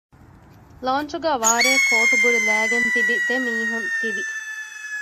ލާންޗުގައި ވާރޭ ކޯޓުބުރި ލައިގެން ތިބި ދެމީހުން ތިވި